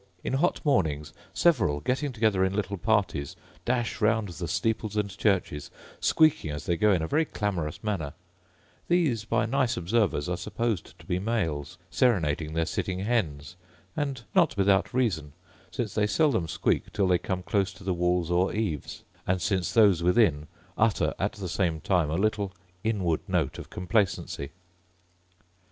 In hot mornings several, getting together in little parties, dash round the steeples and churches, squeaking as they go in a very clamorous manner; these, by nice observers, are supposed to be males, serenading their sitting hens; and not without reason, since they seldom squeak till they come close to the walls or eaves, and since those within utter at the same time a little inward note of complacency.